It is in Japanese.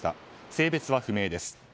性別は不明です。